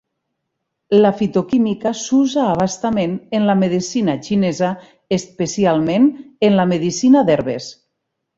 La fitoquímica s'usa a bastament en la medicina xinesa especialment en la medicina d'herbes.